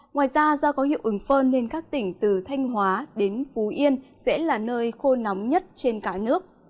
ngoài ra do có hiệu ứng phơn nên các tỉnh từ thanh hóa đến phú yên sẽ là nơi khô nóng nhất trên cả nước